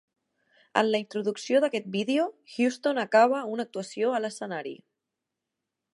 En la introducció d'aquest vídeo, Houston acaba una actuació a l'escenari.